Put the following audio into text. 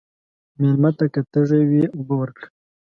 مېلمه ته که تږی وي، اوبه ورکړه.